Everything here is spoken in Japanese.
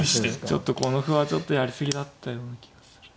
ちょっとこの歩はやり過ぎだったような気がする。